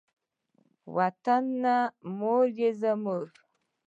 وطنه مور یې زموږ.